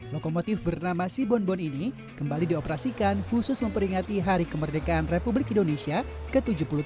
lokomotif bernama sibonbon ini kembali dioperasikan khusus memperingati hari kemerdekaan republik indonesia ke tujuh puluh tiga